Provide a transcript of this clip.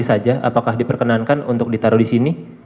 saja apakah diperkenankan untuk ditaruh disini